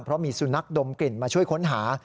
เพราะมีสุนัขดมกลิ่นมาช่วยค้นหา